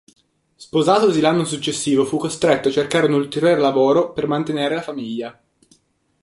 Sposatosi l'anno successivo fu costretto a cercare un ulteriore lavoro per mantenere la famiglia.